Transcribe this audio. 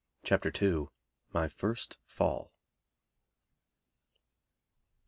CHAPTER II. _My First Fall.